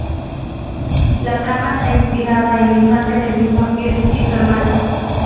La trama está inspirada en la infancia del mismo Hirsch y su hermana.